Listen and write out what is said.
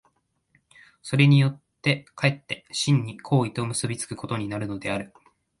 それによって却って真に行為と結び付くことになるのである。